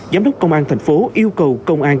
giám đốc công an thành phố yêu cầu công an